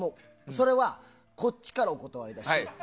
それはこっちからお断りだし